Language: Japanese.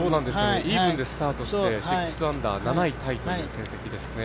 イーブンでスタートして６アンダー７位タイという成績ですね。